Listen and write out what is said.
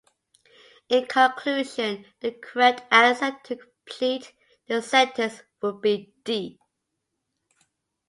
In conclusion, the correct answer to complete the sentence would be "D.